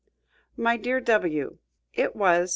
My dear W : It was 2.